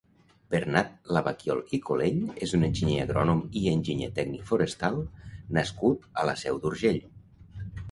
Bernat Lavaquiol i Colell és un enginyer agrònom i enginyer tècnic forestal nascut a la Seu d'Urgell.